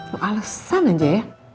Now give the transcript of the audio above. lo alesan aja ya